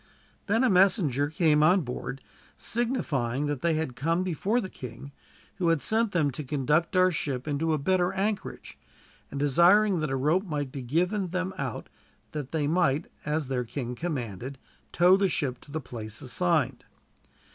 Then a messenger came on board, signifying that they had come before the king, who had sent them to conduct our ship into a better anchorage, and desiring that a rope might be given them out that they might, as their king commanded, tow the ship to the place assigned.